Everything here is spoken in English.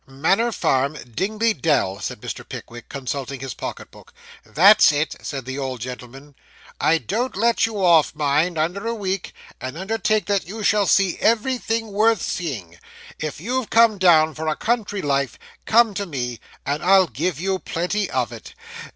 'Manor Farm, Dingley Dell,' said Mr. Pickwick, consulting his pocket book. 'That's it,' said the old gentleman. 'I don't let you off, mind, under a week; and undertake that you shall see everything worth seeing. If you've come down for a country life, come to me, and I'll give you plenty of it.